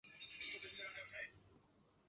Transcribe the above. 车站呈大致南北向布置。